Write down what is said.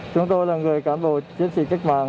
chúng tôi là người cán bộ chiến sĩ cách mạng